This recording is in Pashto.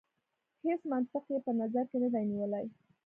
هیڅ منطق یې په نظر کې نه دی نیولی.